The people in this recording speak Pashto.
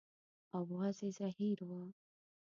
اواز یې زهیر و.